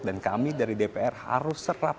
dan kami dari dpr harus serap